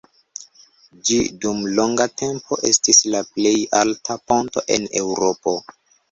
Ĝi dum longa tempo estis la plej alta ponto en Eŭropo.